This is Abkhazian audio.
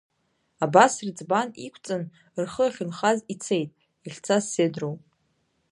Абас рыӡбан иқәҵын, рхы ахьынхаз ицеит, иахьцаз седроу.